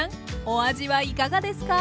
お味はいかがですか？